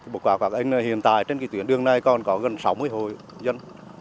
bộ quả quả đánh hiện tại trên cái tuyến đường này còn có gần sáu mươi hồ dân